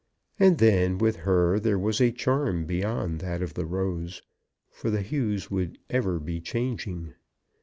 And then with her there was a charm beyond that of the rose, for the hues would ever be changing.